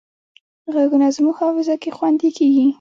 غږونه زموږ حافظه کې خوندي کېږي